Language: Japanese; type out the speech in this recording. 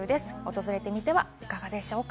訪れてみてはいかがでしょうか。